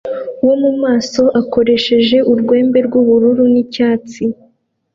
wo mumaso akoresheje urwembe rwubururu nicyatsi